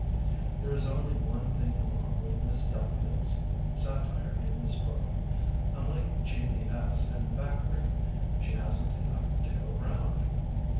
There is only one thing wrong with Miss Delafield's satire in this book: unlike G. B. S. and Thackeray, she hasn't enough to go round.